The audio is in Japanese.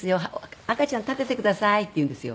「赤ちゃん立ててください」って言うんですよ。